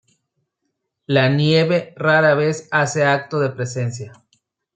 La nieve rara vez hace acto de presencia.